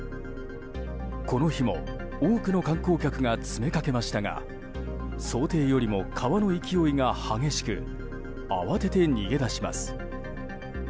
この日も多くの観光客が詰めかけましたが想定よりも川の勢いが激しく慌てて逃げ出します。